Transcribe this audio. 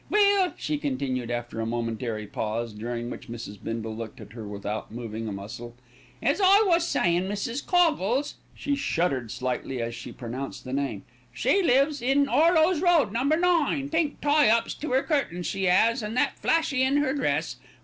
"Well," she continued after a momentary pause, during which Mrs. Bindle looked at her without moving a muscle, "as I was sayin', Mrs. Coggles" she shuddered slightly as she pronounced the name "she lives in Arloes Road, No. 9, pink tie ups to 'er curtains she 'as, an' that flashy in 'er dress.